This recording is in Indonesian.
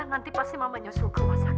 nanti pasti mama nyusul ke rumah sakit